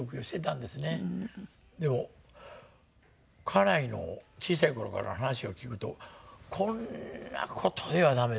でも家内の小さい頃からの話を聞くとこんな事ではダメだなと。